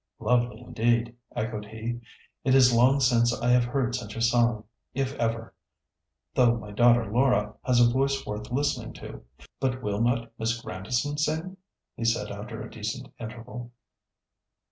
"Lovely indeed!" echoed he; "it is long since I have heard such a song, if ever—though my daughter Laura has a voice worth listening to. But will not Miss Grandison sing?" he said after a decent interval.